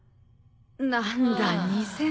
何だ２０００年。